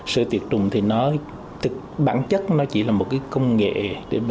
sữa tiệt trùng thì nó bản chất nó chỉ là một công nghệ